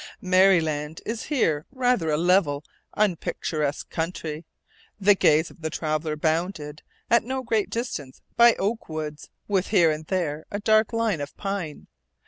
Maryland is here rather a level, unpicturesque country, the gaze of the traveler bounded, at no great distance, by oak woods, with here and there a dark line of pine.